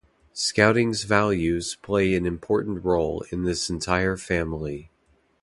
Scouting's values play an important role in this entire family.